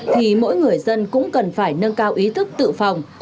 thì mỗi người dân cũng cần phải nâng cao ý thức tự phòng